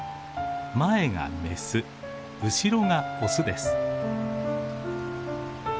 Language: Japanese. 前がメス後ろがオスです。